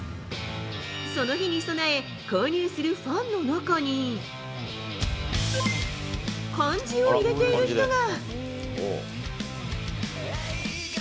その日に備え、購入するファンの中に漢字を入れている人が。